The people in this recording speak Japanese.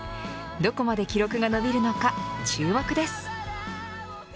どこまで記録が伸びるのか注目です。